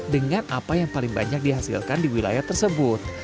dengan apa yang paling banyak dihasilkan di wilayah tersebut